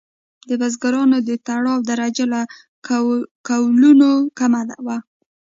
د بزګرانو د تړاو درجه له کولونو کمه وه.